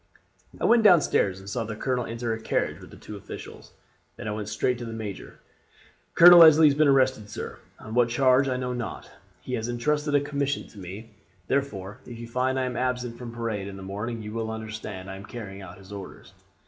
"I went down stairs and saw the colonel enter a carriage with the two officials, then I went straight to the major. 'Colonel Leslie has been arrested, sir, on what charge I know not. He has intrusted a commission to me. Therefore, if you find I am absent from parade in the morning you will understand I am carrying out his orders.'